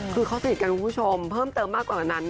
คือเขาสนิทกันคุณผู้ชมเพิ่มเติมมากกว่านั้น